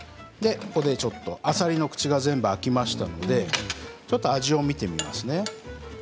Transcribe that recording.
あさりの口が全部開きましたので、ちょっと味を見てみますね。